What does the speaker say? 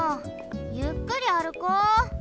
ゆっくりあるこう。